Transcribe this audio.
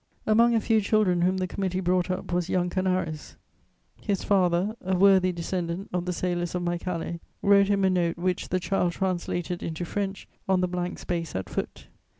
Among a few children whom the committee brought up was young Canaris: his father, a worthy descendant of the sailors of Mycale, wrote him a note which the child translated into French on the blank space at foot.